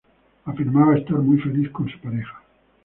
Afirmaba estar muy feliz con su pareja.